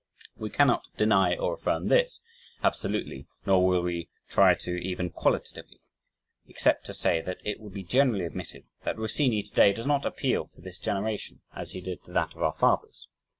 We cannot deny or affirm this, absolutely, nor will we try to even qualitatively except to say that it will be generally admitted that Rossini, today, does not appeal to this generation, as he did to that of our fathers.